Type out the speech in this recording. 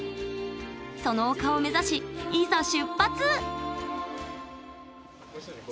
その丘を目指しいざ出発！